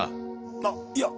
あっいや。